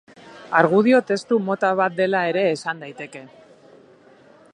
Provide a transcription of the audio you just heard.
Argudio-testu mota bat dela ere esan daiteke.